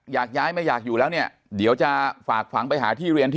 อยากย้ายไม่อยากอยู่แล้วเนี่ยเดี๋ยวจะฝากฝังไปหาที่เรียนที่